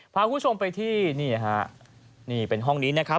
พาคุณผู้ชมไปที่นี่ฮะนี่เป็นห้องนี้นะครับ